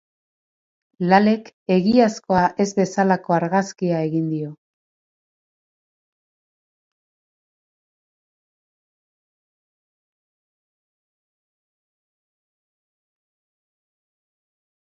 Lalek egiazkoa ez bezalako argazkia egin dio.